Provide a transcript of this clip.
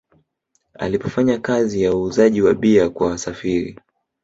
Alipofanya kazi ya uuzaji wa bia kwa wasafiri